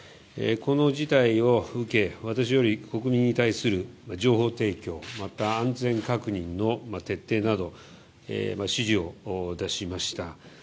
この事態を受け私より国民に対する情報提供また安全確認の徹底など指示を出しました。